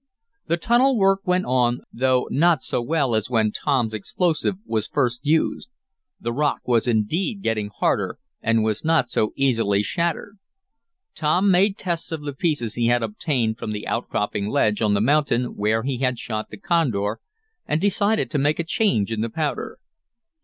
The tunnel work went on, though not so well as when Tom's explosive was first used. The rock was indeed getting harder and was not so easily shattered. Tom made tests of the pieces he had obtained from the outcropping ledge on the mountain where he had shot the condor, and decided to make a change in the powder.